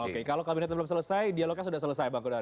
oke kalau kabinetnya belum selesai dialognya sudah selesai bang kodar